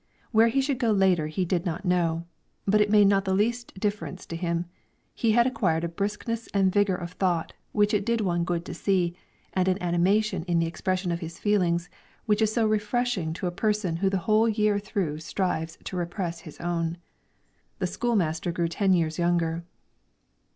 Where he should go later he did not know; but it made not the least difference to him. He had acquired a briskness and vigor of thought which it did one good to see, and an animation in the expression of his feelings which is so refreshing to a person who the whole year through strives to repress his own. The school master grew ten years younger.